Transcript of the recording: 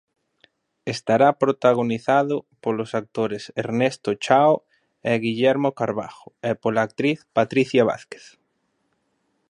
Estará protagonizado polos actores Ernesto Chao e Guillermo Carbajo e pola actriz Patricia Vázquez.